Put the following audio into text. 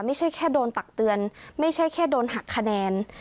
ไม่ใช่แค่โดนตักเตือนไม่ใช่แค่โดนหักคะแนน